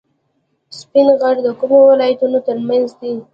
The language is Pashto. سپین غر د کومو ولایتونو ترمنځ دی؟